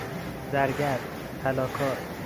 زرگر، طلا کار